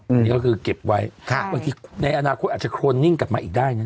อันนี้ก็คือเก็บไว้บางทีในอนาคตอาจจะโครนนิ่งกลับมาอีกได้นะ